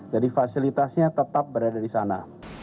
jadi fasilitasnya tetap berada di sana